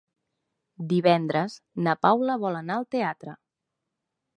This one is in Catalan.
Divendres na Paula vol anar al teatre.